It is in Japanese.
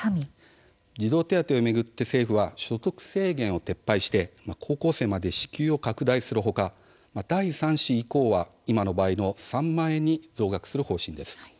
児童手当を巡って政府は所得制限を撤廃して高校生まで支給を拡大する他第三子以降は今の倍の３万円に増額する方針です。